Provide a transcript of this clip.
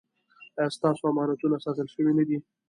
ایا ستاسو امانتونه ساتل شوي نه دي؟